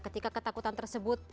ketika ketakutan tersebut